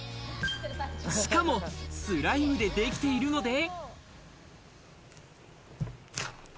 しかもスライムでできているので。